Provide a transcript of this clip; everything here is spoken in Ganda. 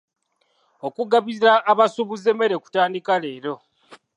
Okugabira abasuubuzi emmere kutandika leero.